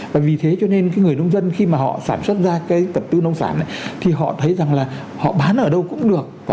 và vì thế cho nên cái người nông dân khi mà họ sản xuất ra cái vật tư nông sản thì họ thấy rằng là họ bán ở đâu cũng được